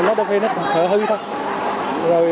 nó đôi khi nó thở hư thôi